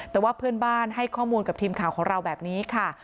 แต่ว่าเพื่อนบ้านให้ข้อมูลกับทีมข่าวของเราแบบนี้ค่ะ